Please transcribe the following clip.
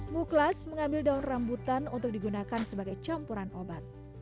muklas mengambil daun rambutan untuk digunakan sebagai campuran obat